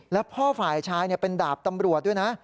แล้วพ่อฝ่ายชายเป็นดาบตำรวจด้วยนะ